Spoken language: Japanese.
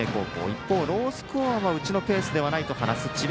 一方、ロースコアはうちのペースではないと話す智弁